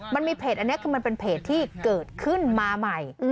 มันมีเพจอันนี้คือมันเป็นเพจที่เกิดขึ้นมาใหม่